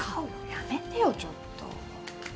やめてよちょっと！